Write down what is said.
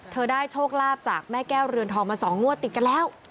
ได้โชคลาภจากแม่แก้วเรือนทองมา๒งวดติดกันแล้ว